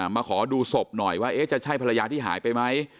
มาขอดูศพหน่อยว่าจะใช่ภรรยาที่หายไปไหม